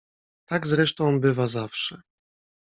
"Tak zresztą bywa zawsze."